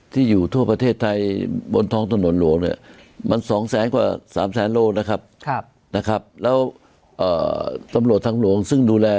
ที่อยู่ทั่วประเทศไทยบนท้องถนนหลวงเนี่ยมัน๒แสนกว่า๓แสนโลกนะครับแล้วตำรวจทางหลวงซึ่งดูแล